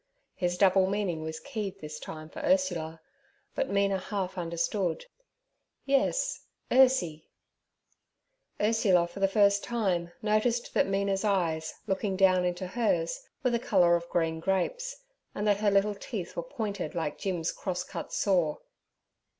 His double meaning was keyed this time for Ursula, but Mina half understood. 'Yes—Ursie.' Ursula for the first time noticed that Mina's eyes, looking down into hers, were the colour of green grapes, and that her little teeth were pointed like Jim's cross cut saw.